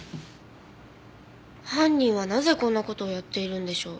犯人はなぜこんな事をやっているんでしょう？